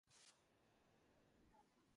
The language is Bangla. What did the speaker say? আমার সাথে কেন খেলবে না?